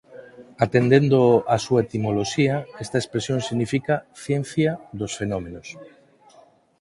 Atendendo á súa etimoloxía esta expresión significa "ciencia dos fenómenos".